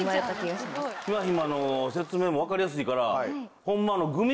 ひまひまの説明も分かりやすいからホンマ。